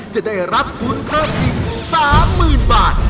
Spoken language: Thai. จะได้รับทุนเพิ่มอีก๓๐๐๐บาท